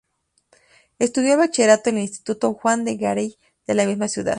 Estudió el bachillerato en el Instituto Juan de Garay de la misma ciudad.